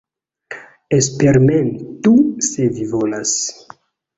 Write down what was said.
Eksperimentu, se vi volas.